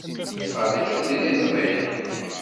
Tettfeṛṛiǧeḍ tiliẓṛi?